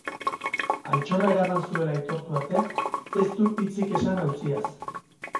Altxorra eraman zuela aitortu arte, ez du hitzik esan auziaz.